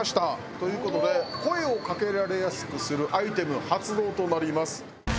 という事で声をかけられやすくするアイテム発動となります。